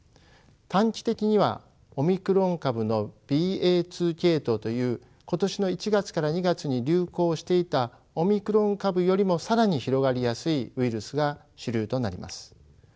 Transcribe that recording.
短期的にはオミクロン株のＢＡ２系統という今年の１月から２月に流行していたオミクロン株よりも更に広がりやすいウイルスが主流となります。